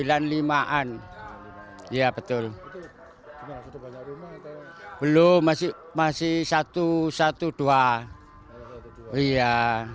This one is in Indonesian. sembilan puluh lima an iya betul belum masih masih satu ratus dua belas iya